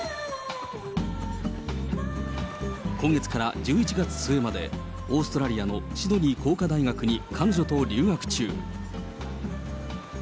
今月から１１月末まで、オーストラリアのシドニー工科大学に彼女と留学中。